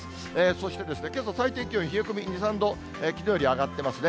そしてけさ最低気温冷え込み２、３度、きのうより上がってますね。